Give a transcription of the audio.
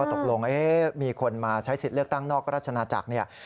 ตกลงมีคนมาใช้สิทธิ์เลือกตั้งนอกราชนาจักรเนี่ย